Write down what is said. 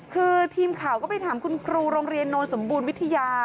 คือทีมข่าวก็ไปถามคุณครูโรงเรียนโนนสมบูรณ์วิทยา